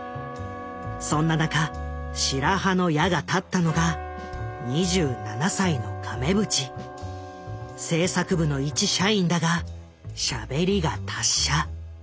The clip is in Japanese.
そんな中白羽の矢が立ったのが制作部の一社員だがしゃべりが達者。